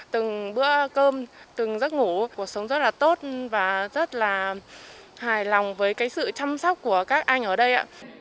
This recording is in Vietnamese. từng bữa cơm từng giấc ngủ cuộc sống rất là tốt và rất là hài lòng với sự chăm sóc của các anh ở đây